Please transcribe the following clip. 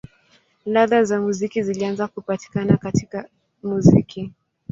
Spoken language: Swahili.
Ladha za muziki zilianza kupatikana katika muziki.